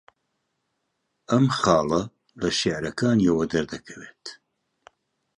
ئەم خاڵە لە شێعرەکانییەوە دەردەکەوێت